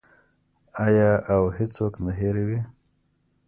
آیا او هیڅوک نه هیروي؟